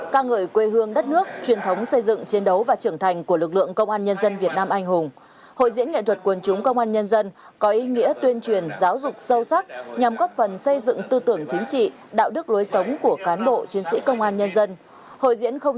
ca ngợi quê hương đất nước truyền thống xây dựng chiến đấu và trưởng thành của lực lượng công an nhân dân việt nam anh hùng hội diễn nghệ thuật quần chúng công an nhân dân có ý nghĩa tuyên truyền giáo dục sâu sắc nhằm góp phần xây dựng tư tưởng chính trị đạo đức lối sống của cán bộ chiến sĩ công an nhân dân